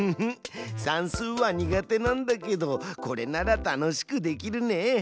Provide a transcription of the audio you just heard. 算数は苦手なんだけどこれなら楽しくできるね。